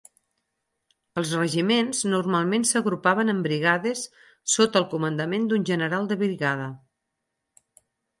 Els regiments normalment s’agrupaven en brigades sota el comandament d’un general de brigada.